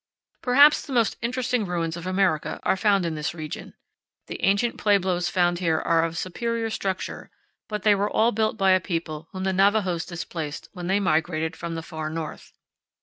Perhaps the most interesting ruins of America are found in this region. The ancient pueblos found here are of superior structure, but powell canyons 28.jpg A NAVAJO HOGAN. they were all built by a people whom the Navajos displaced when they migrated from the far North.